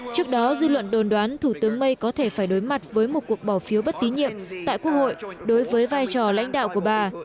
trước đó dư luận đồn đoán thủ tướng may có thể phải đối mặt với một cuộc bỏ phiếu bất tín nhiệm tại quốc hội đối với vai trò lãnh đạo của bà